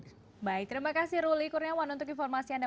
baik terima kasih ruli kurniawan untuk informasi anda